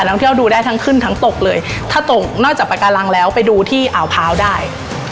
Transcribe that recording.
ท่องเที่ยวดูได้ทั้งขึ้นทั้งตกเลยถ้าตกนอกจากปากการังแล้วไปดูที่อ่าวพร้าวได้